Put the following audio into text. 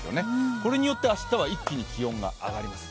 これによって、明日は一気に気温が上がります。